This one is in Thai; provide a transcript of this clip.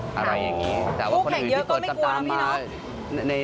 ผู้แข่งเยอะก็ไม่กลัวพี่น๊อก